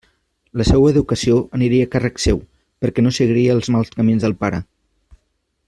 La seua educació aniria a càrrec seu, perquè no seguira els mals camins del pare.